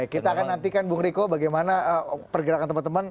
kita akan nantikan bung riko bagaimana pergerakan teman teman